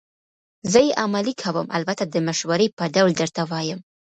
زه یې عملي کوم، البته د مشورې په ډول درته وایم.